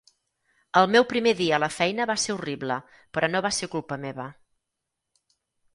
El meu primer dia a la feina va ser horrible, però no va ser culpa meva